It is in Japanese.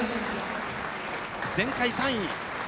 前回３位。